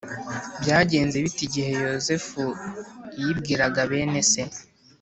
Byagenze bite igihe Yozefu yibwiraga bene se